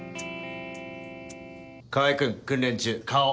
川合君訓練中顔！